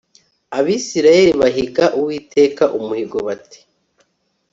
Abisirayeli bahiga Uwiteka umuhigo bati